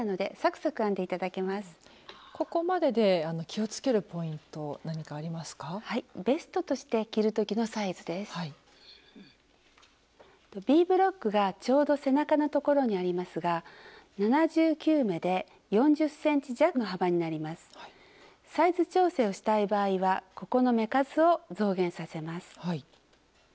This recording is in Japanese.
サイズ調整をしたい場合はここの目数を増減させます。